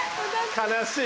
悲しい。